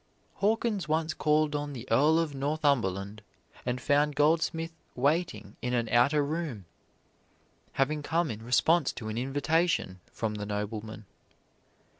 Hawkins once called on the Earl of Northumberland and found Goldsmith waiting in an outer room, having come in response to an invitation from the nobleman.